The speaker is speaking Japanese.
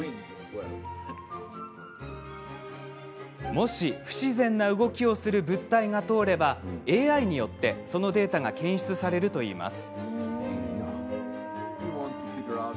もし、不自然な動きをする物体が通ればＡＩによって、そのデータが検出されるといいます。